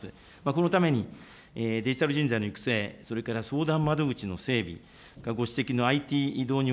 このために、デジタル人材の育成、それから相談窓口の整備、ご指摘のＩＴ導入